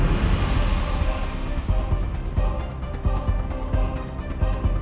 aku mau percaya dia